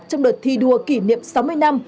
trong đợt thi đua kỷ niệm sáu mươi năm